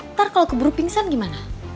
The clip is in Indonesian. ntar kalau keburu pingsan gimana